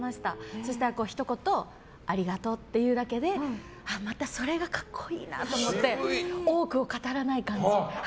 そうしたら、ひと言ありがとうって言うだけでまたそれが格好いいなって思って多くを語らないんですよ。